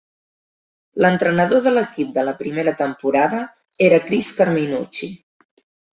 L'entrenador de l'equip de la primera temporada era Chris Carminucci.